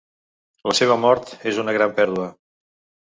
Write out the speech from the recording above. La seva mort és una gran pèrdua.